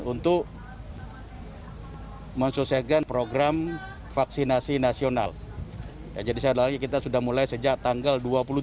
untuk mensukseskan program vaksinasi nasional jadi saya lagi kita sudah mulai sejak tanggal dua puluh dua